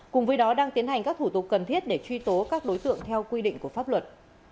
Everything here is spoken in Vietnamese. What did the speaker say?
cùng với đó đang tiến hành các thủ tục cần thiết để truy tố các đối tượng theo quy định của pháp luật